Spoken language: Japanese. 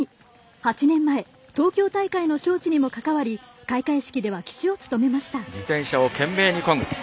８年前、東京大会の招致にも関わり開会式では旗手を務めました。